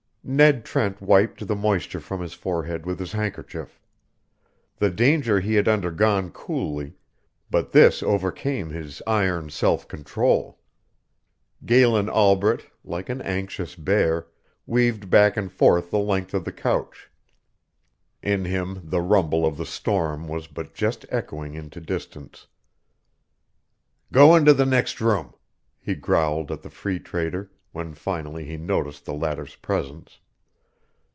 Ned Trent wiped the moisture from his forehead with his handkerchief. The danger he had undergone coolly, but this overcame his iron self control. Galen Albret, like an anxious bear, weaved back and forth the length of the couch. In him the rumble of the storm was but just echoing into distance. "Go into the next room," he growled at the Free Trader, when finally he noticed the latter's presence.